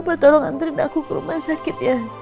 pak tolong antriin aku ke rumah sakit ya